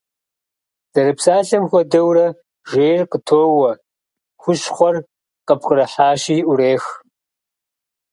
Зэрыпсалъэм хуэдэурэ, жейр къытоуэ, хущхъуэр къыпкърыхьащи Ӏурех.